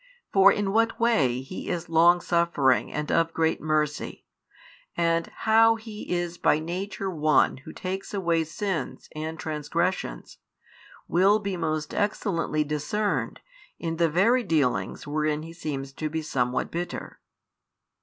For in what way He is longsuffering and of great mercy, and how He is by nature One Who takes away sins and transgressions, will be most excellently discerned, in the very dealings wherein He seems to be somewhat bitter.